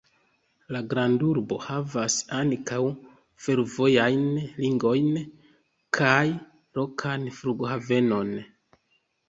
La grandurbo havas ankaŭ fervojajn ligojn kaj lokan flughavenon.